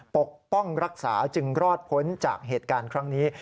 ปกป้องรักษาจึงรอดพ้นจากเหตุการณ์ครั้งนี้